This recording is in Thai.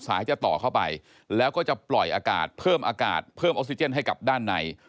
จะต่อเข้าไปแล้วก็จะปล่อยอากาศเพิ่มอากาศเพิ่มออกซิเจนให้กับด้านใน